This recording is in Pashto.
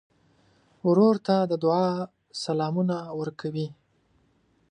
ورور ته د دعا سلامونه ورکوې.